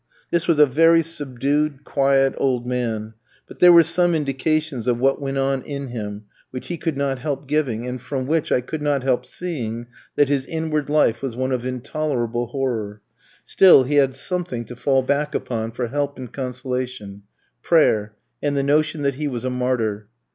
This was a very subdued, quiet, old man; but there were some indications of what went on in him, which he could not help giving, and from which, I could not help seeing, that his inward life was one of intolerable horror; still he had something to fall back upon for help and consolation prayer, and the notion that he was a martyr.